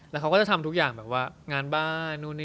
แล้วเขาก็จะทำทุกอย่างงานบ้าน